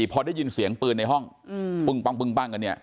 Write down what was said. พอได้ยินเสียงปืนในห้องปึ้งปั้งกันเนี่ย